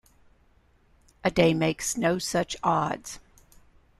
A day makes no such odds.